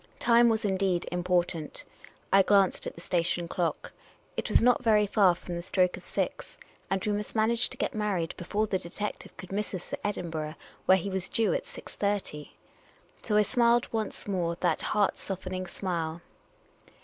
Time was indeed im portant. I glanced at the station clock. It was not very far from the stroke of six, and we must manage to get mar ried before the detective could miss us at Ivdinburgh, where he was due at 6.30. So I smiled once more that heart softening smile.